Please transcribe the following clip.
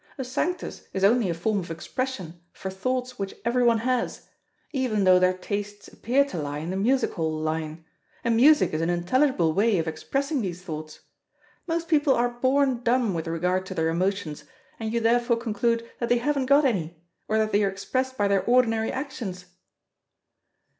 A Sanctus is only a form of expression for thoughts which everyone has, even though their tastes appear to lie in the music hall line; and music is an intelligible way of expressing these thoughts. Most people are born dumb with regard to their emotions, and you therefore conclude that they haven't got any, or that they are expressed by their ordinary actions."